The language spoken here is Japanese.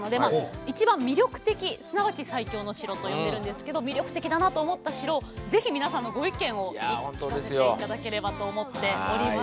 一番魅力的すなわち最強の城と呼んでるんですけど魅力的だなと思った城を是非皆さんのご意見を聞かせて頂ければと思っております。